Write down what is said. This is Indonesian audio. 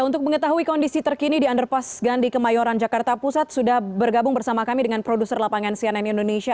untuk mengetahui kondisi terkini di underpass gandhi kemayoran jakarta pusat sudah bergabung bersama kami dengan produser lapangan cnn indonesia